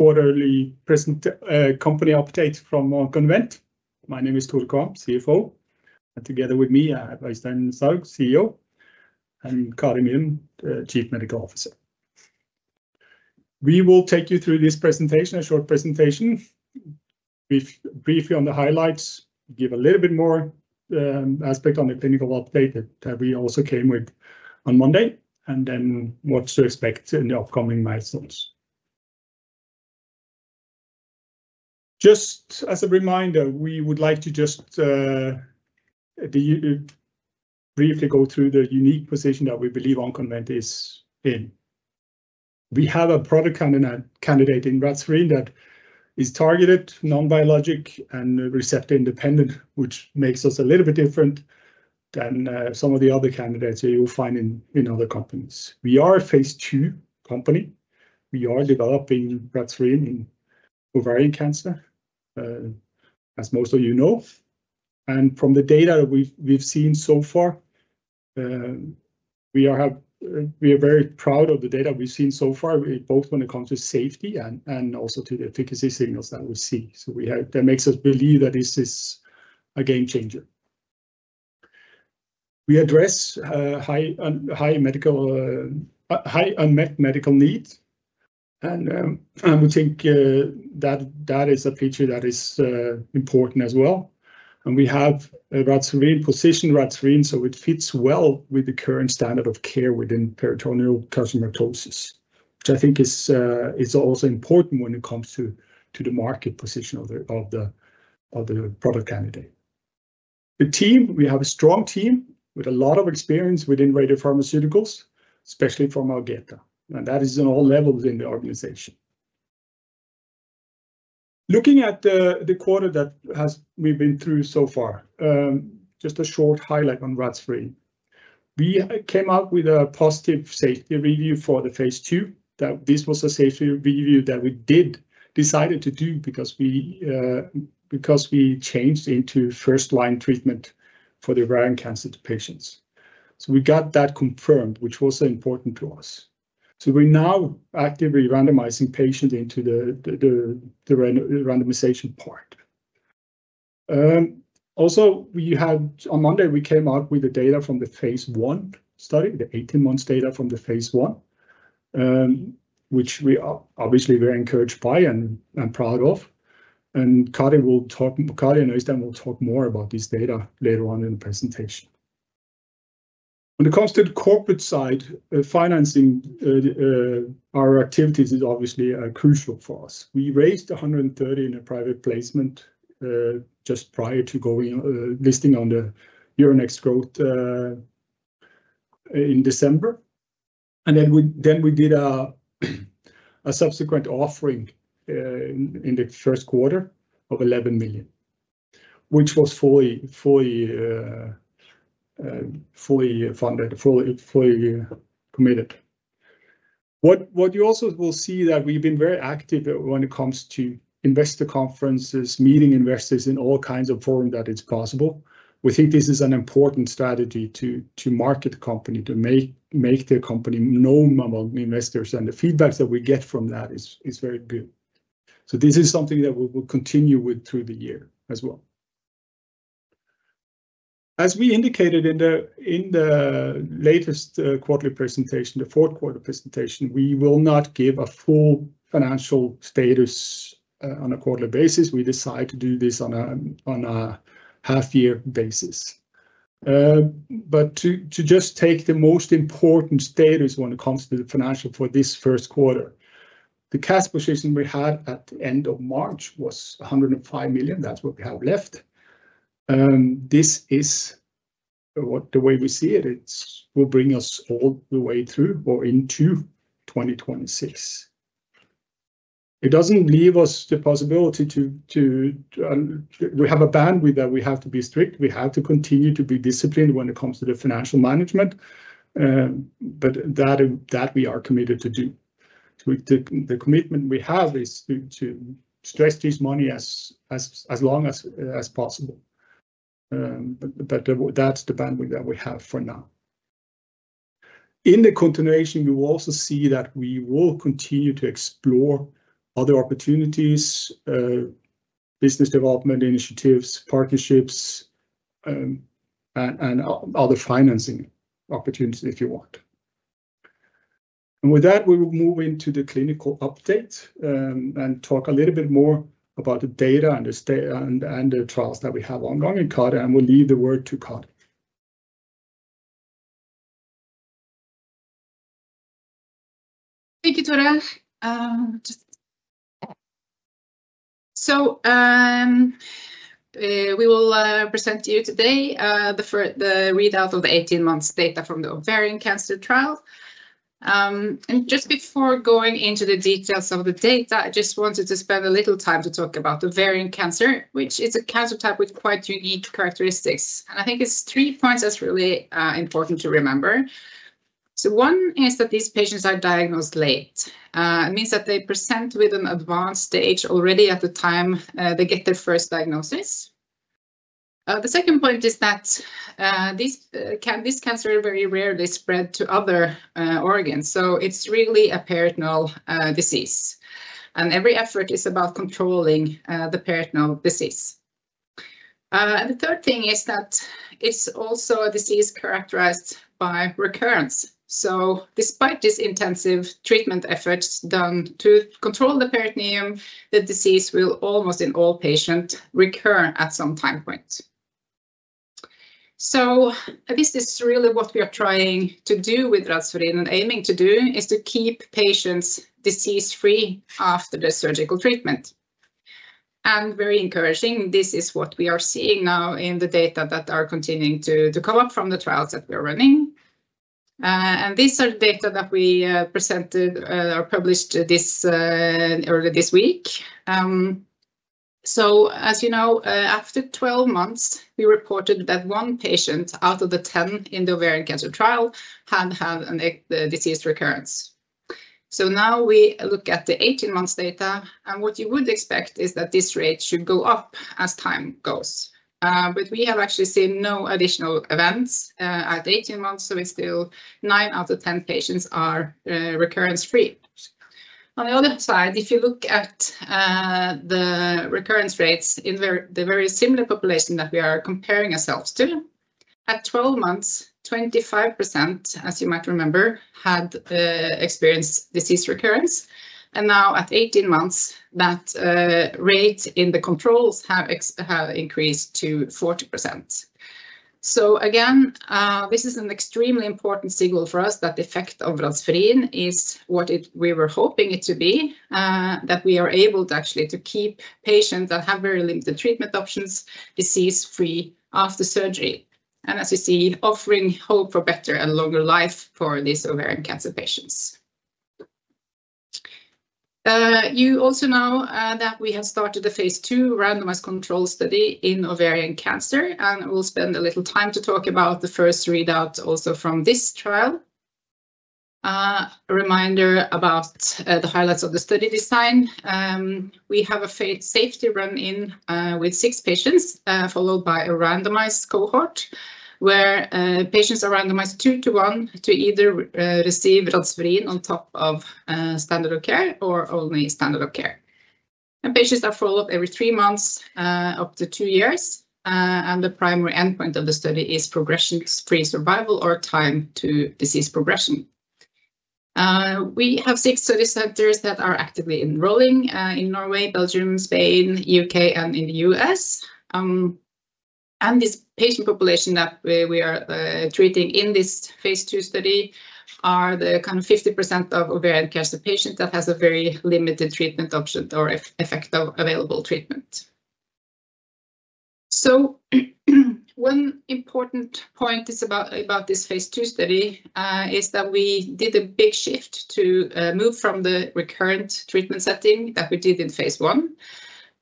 Orderly Company Update from Oncoinvent. My name is Tore Kvam, CFO, and together with me, I have Øystein Soug, CEO, and Kari Myren, Chief Medical Officer. We will take you through this presentation, a short presentation, briefly on the highlights, give a little bit more aspect on the clinical update that we also came with on Monday, and then what to expect in the upcoming milestones. Just as a reminder, we would like to just briefly go through the unique position that we believe Oncoinvent is in. We have a product candidate in Radspherin that is targeted, non-biologic, and receptor-independent, which makes us a little bit different than some of the other candidates you'll find in other companies. We are a phase 2 company. We are developing Radspherin in Ovarian Cancer, as most of you know. From the data that we've seen so far, we are very proud of the data we've seen so far, both when it comes to safety and also to the efficacy signals that we see. That makes us believe that this is a game changer. We address high unmet medical needs, and we think that is a feature that is important as well. We have positioned Radspherin, so it fits well with the current standard of care within Peritoneal carcinomatosis, which I think is also important when it comes to the market position of the product candidate. The team, we have a strong team with a lot of experience within radiopharmaceuticals, especially from Algeta, and that is on all levels in the organization. Looking at the quarter that we've been through so far, just a short highlight on Radspherin. We came out with a positive safety review for the phase 2. This was a safety review that we decided to do because we changed into first-line treatment for the ovarian cancer patients. We got that confirmed, which was important to us. We are now actively randomizing patients into the randomization part. Also, on Monday, we came out with the data from the phase 1 study, the 18-month data from the phase 1, which we are obviously very encouraged by and proud of. Kari and Øystein will talk more about this data later on in the presentation. When it comes to the corporate side, financing our activities is obviously crucial for us. We raised 130 million in a private placement just prior to listing on the Euronext Growth in December. We did a subsequent offering in the first quarter of 11 million, which was fully funded, fully committed. What you also will see is that we've been very active when it comes to investor conferences, meeting investors in all kinds of forums that it's possible. We think this is an important strategy to market the company, to make the company known among investors, and the feedback that we get from that is very good. This is something that we will continue with through the year as well. As we indicated in the latest quarterly presentation, the Q4 presentation, we will not give a full financial status on a quarterly basis. We decide to do this on a half-year basis. To just take the most important status when it comes to the financial for this Q1, the cash position we had at the end of March was 105 million. That's what we have left. This is the way we see it. It will bring us all the way through or into 2026. It does not leave us the possibility to—we have a bandwidth that we have to be strict. We have to continue to be disciplined when it comes to the financial management, but that we are committed to do. The commitment we have is to stretch this money as long as possible. That is the bandwidth that we have for now. In the continuation, you will also see that we will continue to explore other opportunities, business development initiatives, partnerships, and other financing opportunities if you want. With that, we will move into the clinical update and talk a little bit more about the data and the trials that we have ongoing in CART, and we'll leave the word to Kari. Thank you, Toren. We will present to you today the readout of the 18-month data from the Ovarian Cancer Trial. Just before going into the details of the data, I just wanted to spend a little time to talk about Ovarian Cancer, which is a cancer type with quite unique characteristics. I think it is three points that are really important to remember. One is that these patients are diagnosed late. It means that they present with an advanced stage already at the time they get their first diagnosis. The second point is that this cancer very rarely spreads to other organs. It is really a peritoneal disease. Every effort is about controlling the peritoneal disease. The third thing is that it is also a disease characterized by recurrence. Despite these intensive treatment efforts done to control the peritoneum, the disease will almost in all patients recur at some time point. This is really what we are trying to do with Radspherin and aiming to do is to keep patients disease-free after the surgical treatment. Very encouraging, this is what we are seeing now in the data that are continuing to come up from the trials that we are running. These are data that we presented or published early this week. As you know, after 12 months, we reported that one patient out of the 10 in the ovarian cancer trial had had a disease recurrence. Now we look at the 18-month data, and what you would expect is that this rate should go up as time goes. We have actually seen no additional events at 18 months, so it's still nine out of 10 patients are recurrence-free. On the other side, if you look at the recurrence rates in the very similar population that we are comparing ourselves to, at 12 months, 25% had experienced disease recurrence. Now at 18 months, that rate in the controls has increased to 40%. This is an extremely important signal for us that the effect of Radspherin is what we were hoping it to be, that we are able to actually keep patients that have very limited treatment options disease-free after surgery. As you see, offering hope for better and longer life for these ovarian cancer patients. You also know that we have started a phase 2 randomized control study in ovarian cancer, and we'll spend a little time to talk about the first readout also from this trial. A reminder about the highlights of the study design. We have a safety run-in with six patients followed by a randomized cohort where patients are randomized two to one to either receive Radspherin on top of standard of care or only standard of care. Patients are followed every three months up to two years, and the primary endpoint of the study is progression-free survival or time to disease progression. We have six study centers that are actively enrolling in Norway, Belgium, Spain, the U.K., and in the U.S. This patient population that we are treating in this phase 2 study is the kind of 50% of ovarian cancer patients that has a very limited treatment option or effect of available treatment. One important point about this phase 2 study is that we did a big shift to move from the recurrent treatment setting that we did in phase 1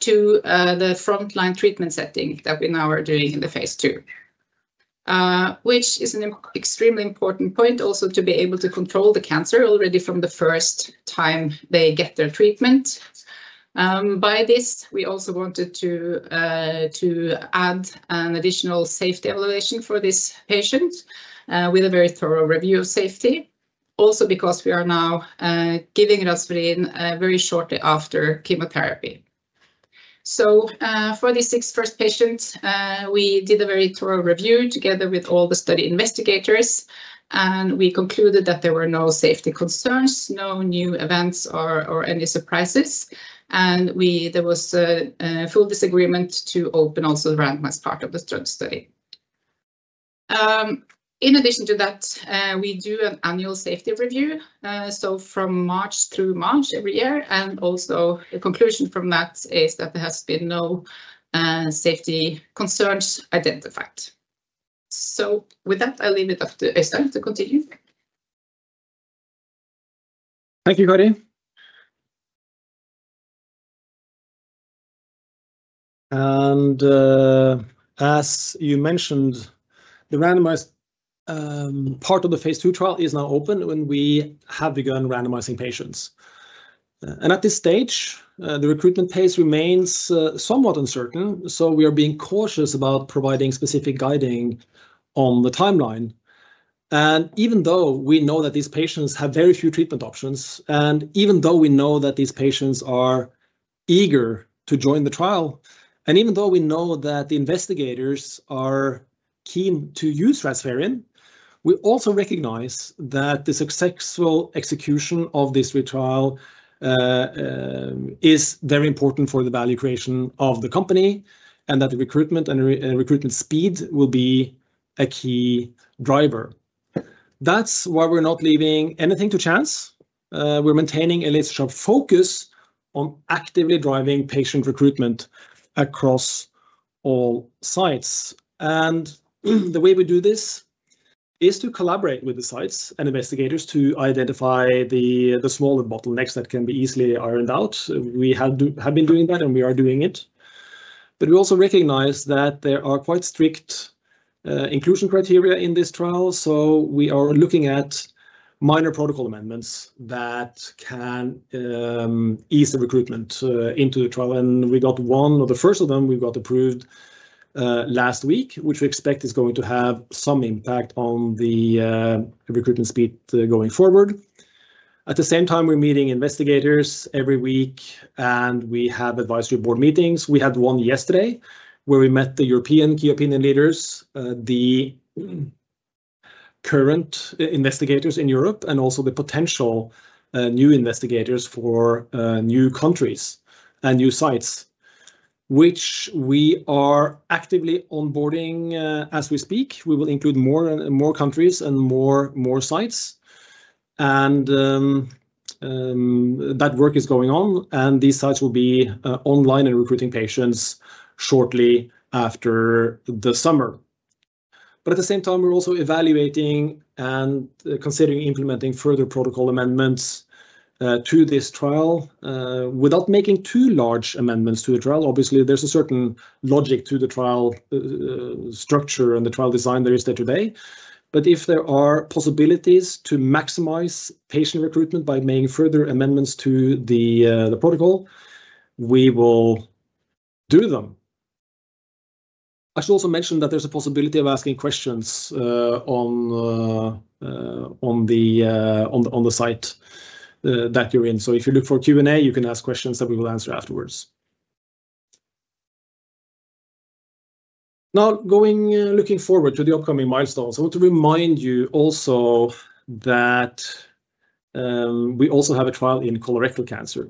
to the frontline treatment setting that we now are doing in the phase 2, which is an extremely important point also to be able to control the cancer already from the first time they get their treatment. By this, we also wanted to add an additional safety evaluation for this patient with a very thorough review of safety, also because we are now giving Radspherin very shortly after chemotherapy. For these six first patients, we did a very thorough review together with all the study investigators, and we concluded that there were no safety concerns, no new events or any surprises, and there was full agreement to open also the randomized part of the study. In addition to that, we do an annual safety review, from March through March every year, and also the conclusion from that is that there have been no safety concerns identified. With that, I'll leave it up to Øystein to continue. Thank you, Kari. As you mentioned, the randomized part of the phase 2 trial is now open and we have begun randomizing patients. At this stage, the recruitment phase remains somewhat uncertain, so we are being cautious about providing specific guiding on the timeline. Even though we know that these patients have very few treatment options, and even though we know that these patients are eager to join the trial, and even though we know that the investigators are keen to use Radspherin, we also recognize that the successful execution of this trial is very important for the value creation of the company and that the recruitment and recruitment speed will be a key driver. That is why we are not leaving anything to chance. We are maintaining a leadership focus on actively driving patient recruitment across all sites. The way we do this is to collaborate with the sites and investigators to identify the smaller bottlenecks that can be easily ironed out. We have been doing that, and we are doing it. We also recognize that there are quite strict inclusion criteria in this trial, so we are looking at minor protocol amendments that can ease the recruitment into the trial. We got one or the first of them approved last week, which we expect is going to have some impact on the recruitment speed going forward. At the same time, we're meeting investigators every week, and we have advisory board meetings. We had one yesterday where we met the European key opinion leaders, the current investigators in Europe, and also the potential new investigators for new countries and new sites, which we are actively onboarding as we speak. We will include more countries and more sites, and that work is going on, and these sites will be online and recruiting patients shortly after the summer. At the same time, we're also evaluating and considering implementing further protocol amendments to this trial without making too large amendments to the trial. Obviously, there's a certain logic to the trial structure and the trial design there is there today. If there are possibilities to maximize patient recruitment by making further amendments to the protocol, we will do them. I should also mention that there's a possibility of asking questions on the site that you're in. If you look for Q&A, you can ask questions that we will answer afterwards. Now, looking forward to the upcoming milestones, I want to remind you also that we also have a trial in Colorectal Cancer.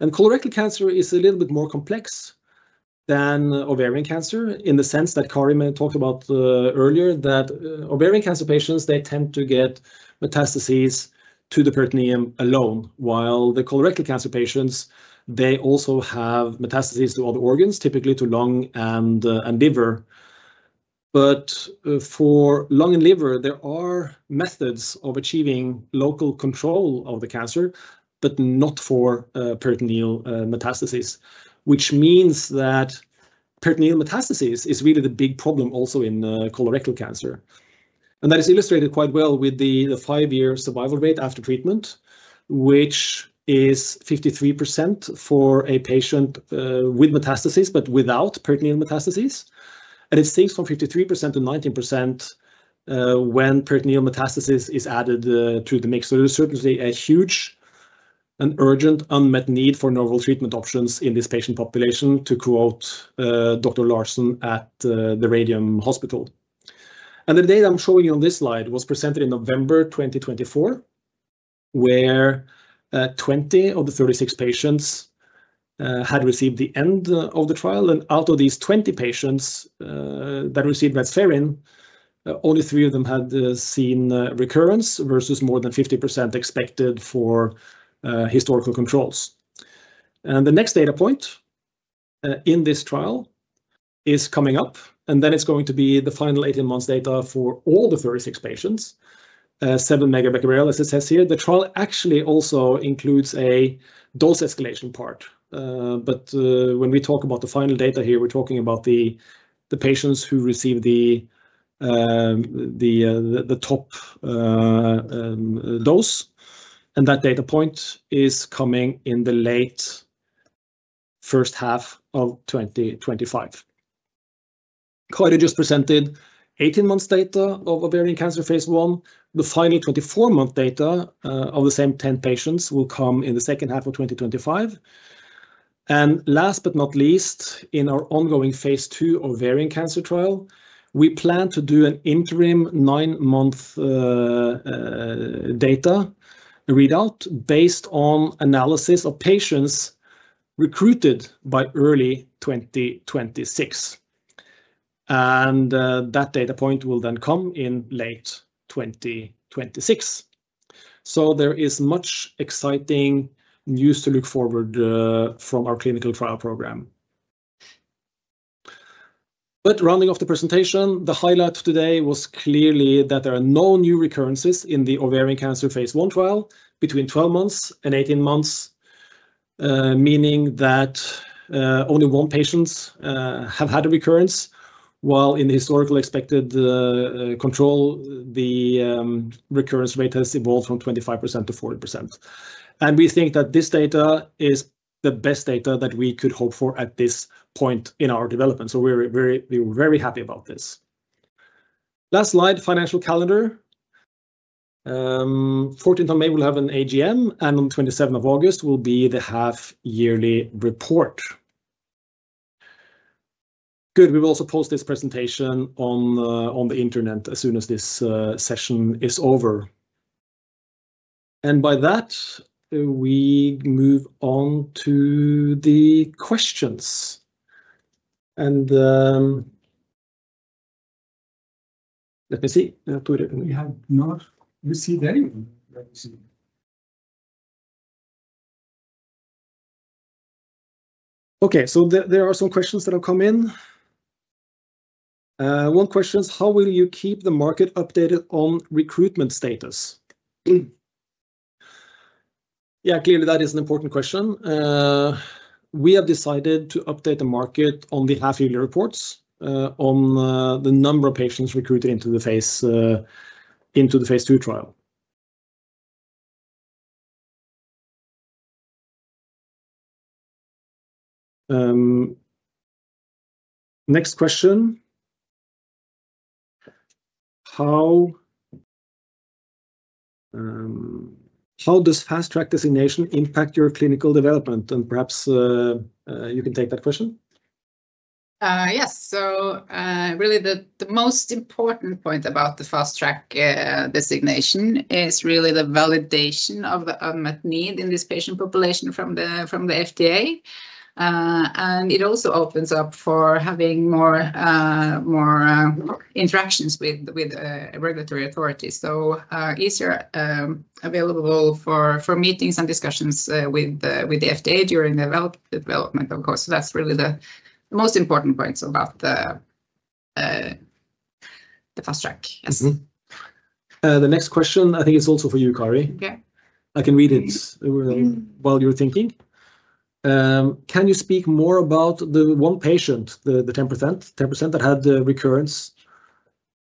Colorectal Cancer is a little bit more complex than ovarian cancer in the sense that Kari talked about earlier, that ovarian cancer patients, they tend to get metastases to the peritoneum alone, while the Colorectal cancer patients, they also have metastases to other organs, typically to lung and liver. For lung and liver, there are methods of achieving local control of the cancer, but not for peritoneal metastases, which means that peritoneal metastases is really the big problem also in colorectal cancer. That is illustrated quite well with the five-year survival rate after treatment, which is 53% for a patient with metastases but without peritoneal metastases. It sinks from 53% to 19% when peritoneal metastases is added to the mix. There is certainly a huge and urgent unmet need for novel treatment options in this patient population, to quote Dr. Larson at the Radium Hospital. The data I'm showing you on this slide was presented in November 2024, where 20 of the 36 patients had received the end of the trial. Out of these 20 patients that received Radspherin, only three of them had seen recurrence versus more than 50% expected for historical controls. The next data point in this trial is coming up, and then it's going to be the final 18-month data for all the 36 patients, 7 megabecquerel, as it says here. The trial actually also includes a dose escalation part. When we talk about the final data here, we're talking about the patients who received the top dose. That data point is coming in the late first half of 2025. Kari just presented 18-month data of ovarian cancer phase 1. The final 24-month data of the same 10 patients will come in the second half of 2025. Last but not least, in our ongoing phase 2 ovarian cancer trial, we plan to do an interim nine-month data readout based on analysis of patients recruited by early 2026. That data point will then come in late 2026. There is much exciting news to look forward to from our clinical trial program. Rounding off the presentation, the highlight today was clearly that there are no new recurrences in the ovarian cancer phase 1 trial between 12 months and 18 months, meaning that only one patient has had a recurrence, while in the historical expected control, the recurrence rate has evolved from 25% to 40%. We think that this data is the best data that we could hope for at this point in our development. We are very happy about this. Last slide, financial calendar. 14th of May, we will have an AGM, and on the twenty-seventh of August will be the half-yearly report. Good. We will also post this presentation on the internet as soon as this session is over. By that, we move on to the questions. Let me see. We have not received any. Okay, there are some questions that have come in. One question is, how will you keep the market updated on recruitment status? Yeah, clearly that is an important question. We have decided to update the market on the half-yearly reports on the number of patients recruited into the phase 2 trial. Next question. How does fast-track designation impact your clinical development? Perhaps you can take that question. Yes. Really, the most important point about the fast-track designation is really the validation of the unmet need in this patient population from the FDA. It also opens up for having more interactions with regulatory authorities, so easier available for meetings and discussions with the FDA during the development, of course. That is really the most important points about the fast-track. The next question, I think it's also for you, Kari. I can read it while you're thinking. Can you speak more about the one patient, the 10% that had the recurrence?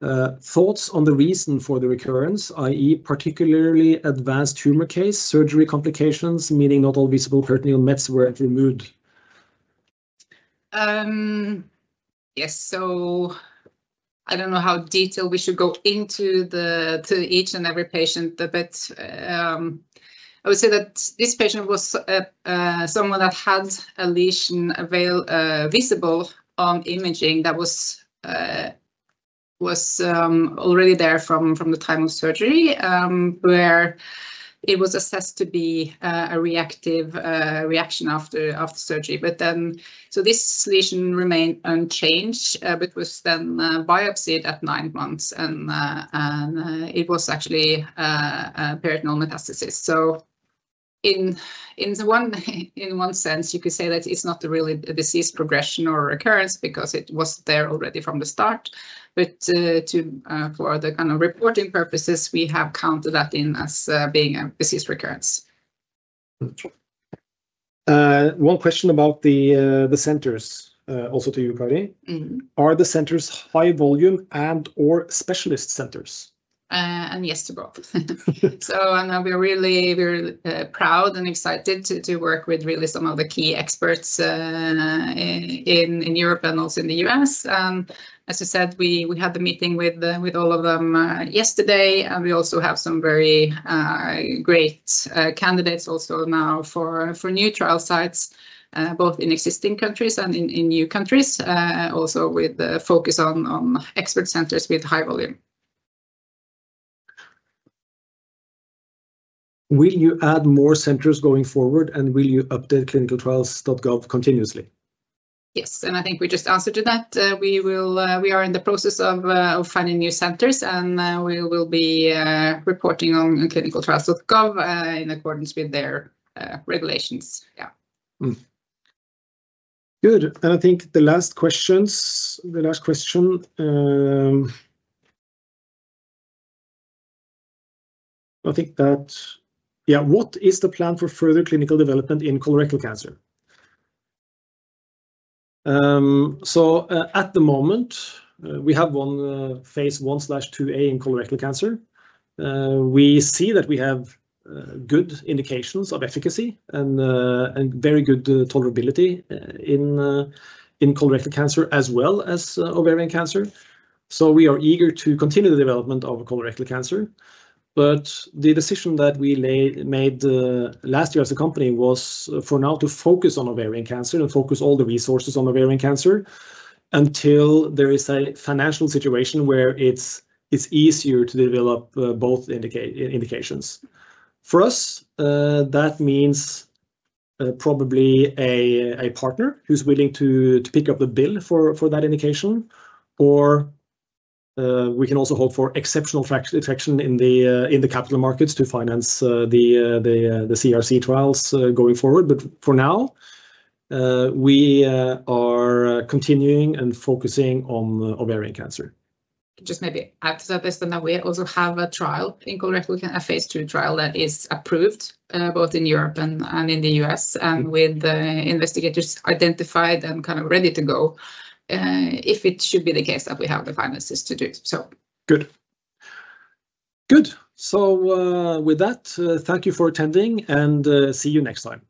Thoughts on the reason for the recurrence, i.e., particularly advanced tumor case, surgery complications, meaning not all visible peritoneal mets were removed? Yes. I don't know how detailed we should go into each and every patient, but I would say that this patient was someone that had a lesion visible on imaging that was already there from the time of surgery, where it was assessed to be a reactive reaction after surgery. This lesion remained unchanged, but was then biopsied at nine months, and it was actually peritoneal metastasis. In one sense, you could say that it's not really a disease progression or recurrence because it was there already from the start. For the kind of reporting purposes, we have counted that in as being a disease recurrence. One question about the centers, also to you, Kari. Are the centers high-volume and/or specialist centers? Yes to both. We are really proud and excited to work with really some of the key experts in Europe and also in the U.S. As I said, we had the meeting with all of them yesterday, and we also have some very great candidates also now for new trial sites, both in existing countries and in new countries, also with a focus on expert centers with high volume. Will you add more centers going forward, and will you update clinicaltrials.gov continuously? Yes. I think we just answered to that. We are in the process of finding new centers, and we will be reporting on clinicaltrials.gov in accordance with their regulations. Yeah. Good. I think the last question. I think that, yeah, what is the plan for further clinical development in Colorectal Cancer? At the moment, we have one phase 1/2a in Colorectal cancer. We see that we have good indications of efficacy and very good tolerability in Colorectal cancer as well as Ovarian cancer. We are eager to continue the development of Colorectal cancer. The decision that we made last year as a company was for now to focus on Ovarian cancer and focus all the resources on Ovarian cancer until there is a financial situation where it is easier to develop both indications. For us, that means probably a partner who is willing to pick up the bill for that indication, or we can also hope for exceptional traction in the capital markets to finance the CRC trials going forward. For now, we are continuing and focusing on Ovarian cancer. Just maybe add to that this that we also have a trial in Colorectal, a phase 2 trial that is approved both in Europe and in the U.S, and with investigators identified and kind of ready to go if it should be the case that we have the finances to do so. Good. Good. With that, thank you for attending, and see you next time.